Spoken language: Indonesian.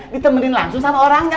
ditemenin langsung sama orangnya